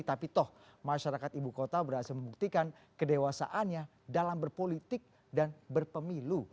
tapi toh masyarakat ibu kota berhasil membuktikan kedewasaannya dalam berpolitik dan berpemilu